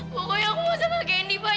pokoknya aku mau sama candy pak